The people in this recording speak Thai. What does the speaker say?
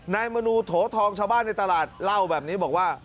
มนูโถทองชาวบ้านในตลาดเล่าแบบนี้บอกว่า